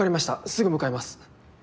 すぐ向かいます。